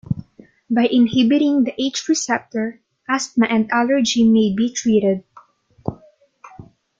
By inhibiting the H receptor, asthma and allergy may be treated.